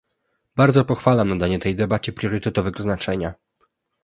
Bardzo pochwalam nadanie tej debacie priorytetowego znaczenia